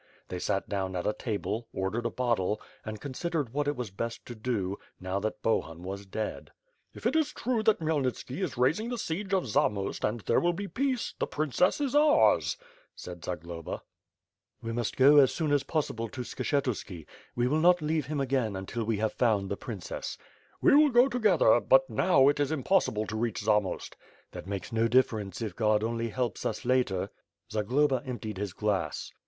They sat down at a table, ordered a bottle, and considered what was best to do, now that Bohun was dead. "If it is true that Khmyelnitski is raising the siege of Zamost and there will be peace, the princess is ours," said Zagloba. 566 ^^^B FIRE AND SWORD. "We must go as soon as possible to Skshetiiski. We will not leave him again until we have found the princess." "We will go together, but now it is impossible to reach Zamost." "That makes no difference, if God only helps us later." Zagloba emptied his glass.